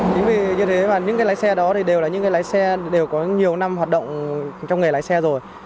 chính vì như thế mà những cái lái xe đó thì đều là những cái lái xe đều có nhiều năm hoạt động trong nghề lái xe rồi